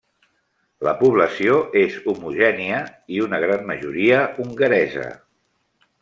La població és homogènia, i una gran majoria hongaresa.